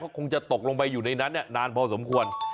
คงจะตกลงไปอยู่ในนั้นนานพอสมควร